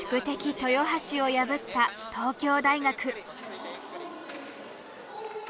・豊橋を破った東京大学。